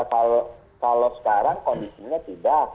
kalau sekarang kondisinya tidak